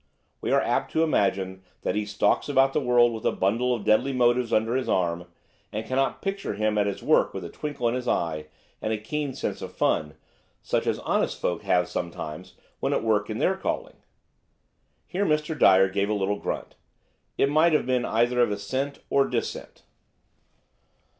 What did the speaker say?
We are apt to imagine that he stalks about the world with a bundle of deadly motives under his arm, and cannot picture him at his work with a twinkle in his eye and a keen sense of fun, such as honest folk have sometimes when at work at their calling." Here Mr. Dyer gave a little grunt; it might have been either of assent or dissent.